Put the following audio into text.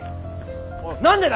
おい何でだよ！